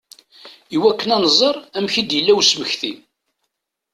I wakken ad nẓer amek i d-yella usmekti.